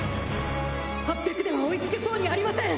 ８００では追いつけそうにありません！